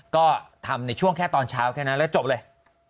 ก็ทำในช่วงแค่ตอนเช้าแค่นั้นแล้วจบเลย